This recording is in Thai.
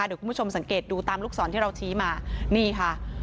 เดี๋ยวคุณผู้ชมสังเกตดูตามลูกศรที่เราชี้มานี่ค่ะ